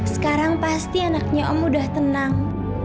sekarang pasti anaknya om mudah tenang